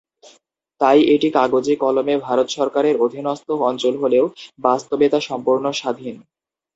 তাই এটি কাগজে-কলমে ভারত সরকারের অধীনস্থ অঞ্চল হলেও, বাস্তবে তারা সম্পূর্ণ স্বাধীন।